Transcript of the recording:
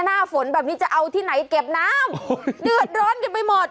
หน้าฝนแบบนี้จะเอาที่ไหนเก็บน้ำเดือดร้อนกันไปหมด